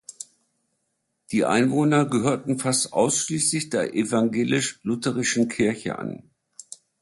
Die Einwohner gehörten fast ausschließlich der evangelisch-lutherischen Kirche an.